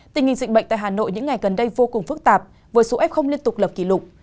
tình hình dịch bệnh tại hà nội những ngày gần đây vô cùng phức tạp với số f liên tục lập kỷ lục